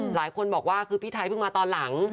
หลายคนบอกว่าคือพี่ไทยเพิ่งมาตอนหลัง